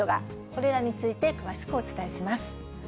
これらについて詳しくお伝えします。